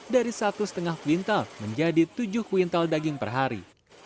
dari satu lima kuintal menjadi tujuh kuintal daging per hari